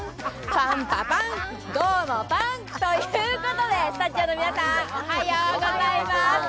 パン・パ・パン、どうもパン！ということでスタジオの皆さん、おはようございます。